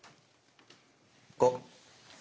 ５！